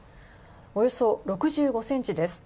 およそ６５ｃｍです。